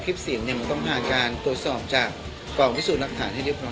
คลิปเสียงมันต้องหาการตรวจสอบจากกรองวิสูจน์รักฐานให้เรียบร้อยก่อน